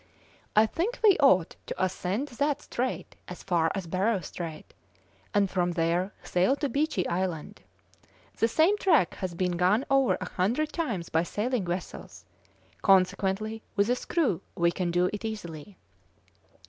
I think we ought to ascend that strait as far as Barrow Strait, and from there sail to Beechey Island; the same track has been gone over a hundred times by sailing vessels; consequently with a screw we can do it easily.